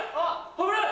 危ない！